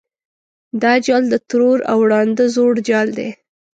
دا جال د ترور او ړانده زوړ جال دی.